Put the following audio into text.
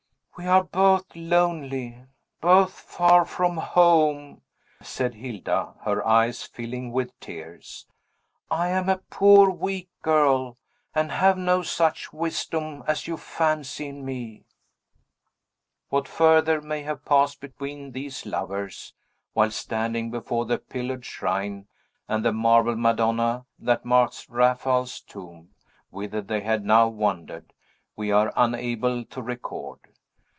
"We are both lonely; both far from home!" said Hilda, her eyes filling with tears. "I am a poor, weak girl, and have no such wisdom as you fancy in me." What further may have passed between these lovers, while standing before the pillared shrine, and the marble Madonna that marks Raphael's tomb; whither they had now wandered, we are unable to record.